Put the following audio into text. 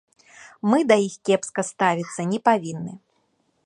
Мы да іх кепска ставіцца не павінны.